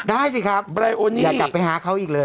ได้สิครับอย่ากลับไปหาเขาอีกเลย